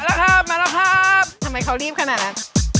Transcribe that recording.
มาแล้วครับมาแล้วทำไมเขารีบขนาดนั้น